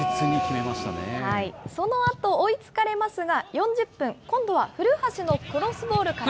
そのあと追いつかれますが、４０分、今度は古橋のクロスボールから。